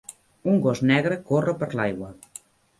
Un gos negre corre per l'aigua.